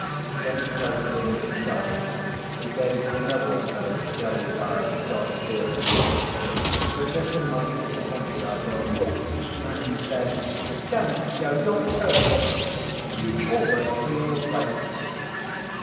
When he floated in with the coffee he gave me another of those glaze eyed God fearing looks—but just a mite disappointed, I thought—and said, "Dammit, Joe, you're perfect! You always clean your plate."